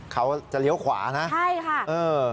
เขาจะเลี้ยวขวานะใช่ค่ะเออ